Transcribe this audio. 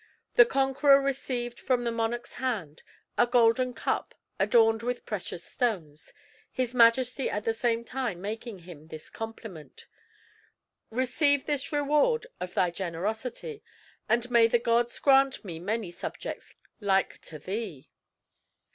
The conqueror received from the monarch's hand a golden cup adorned with precious stones, his majesty at the same time making him this compliment: "Receive this reward of thy generosity, and may the gods grant me many subjects like to thee."